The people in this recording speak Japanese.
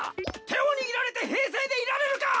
手を握られて平静でいられるか！